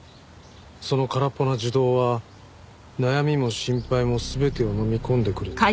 「その空っぽな樹洞は悩みも心配も全てをのみ込んでくれた」